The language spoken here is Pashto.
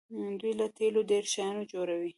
دوی له تیلو ډیر شیان جوړوي.